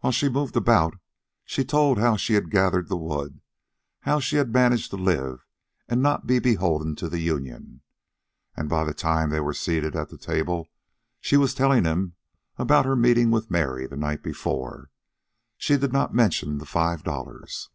While she moved about, she told how she had gathered the wood, how she had managed to live and not be beholden to the union, and by the time they were seated at the table she was telling him about her meeting with Mary the night before. She did not mention the five dollars.